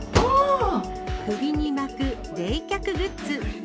首に巻く冷却グッズ。